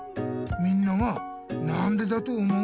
みんなはなんでだと思う？